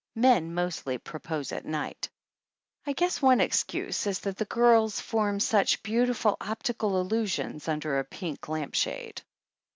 Men mostly propose at night ; I guess one excuse is that the girls form such beautiful optical illusions under a pink lamp shade.